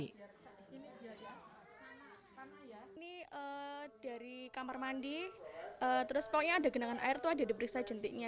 ini dari kamar mandi terus pokoknya ada genangan air itu ada diperiksa jentiknya